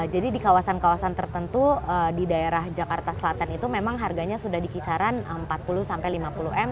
jadi di kawasan kawasan tertentu di daerah jakarta selatan itu memang harganya sudah dikisaran empat puluh lima puluh m